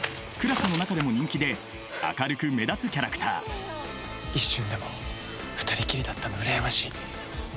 クラスの中でも人気で明るく目立つキャラクター一瞬でも２人きりだったの羨ましい。